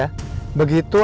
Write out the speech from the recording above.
begitu saya mau nge review